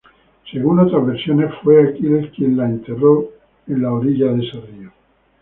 Según otras versiones, fue Aquiles quien la enterró en las orillas de ese río.